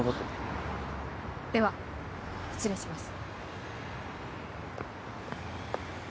では失礼します。